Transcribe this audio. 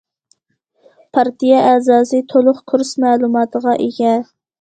پارتىيە ئەزاسى، تولۇق كۇرس مەلۇماتىغا ئىگە.